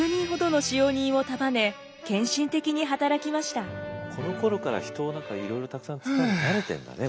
忠敬は５０人ほどのこのころから人をいろいろたくさん使うの慣れてんだね